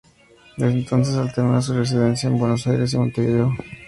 Desde entonces alterna su residencia entre Buenos Aires y Montevideo.